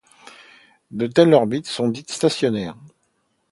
De telles orbites sont dites stationnaires.